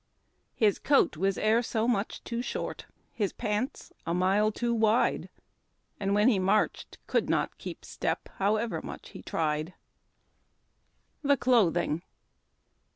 ' His coat was e'er so much too short, His pants a mile too wide, And when he raarclied could not keep step However much he tried." THE CLOTHING.